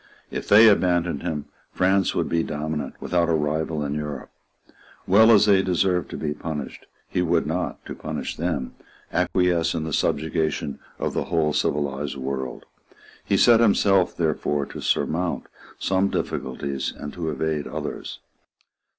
If they abandoned him, France would be dominant without a rival in Europe. Well as they deserved to be punished, he would not, to punish them, acquiesce in the subjugation of the whole civilised world. He set himself therefore to surmount some difficulties and to evade others.